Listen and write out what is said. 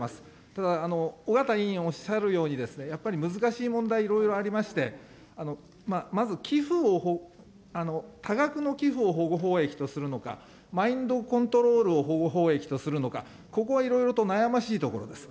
ただ、緒方委員おっしゃるように、やっぱり難しい問題、いろいろありまして、まず寄付を、多額の寄付を保護法益とするのか、マインドコントロールを保護法益とするのか、ここはいろいろ悩ましいところです。